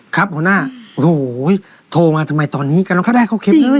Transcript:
คับหัวหน้าโหโหโทรมาจำไมตอนนี้กำลังเข้าได้แก๊วเครตเลย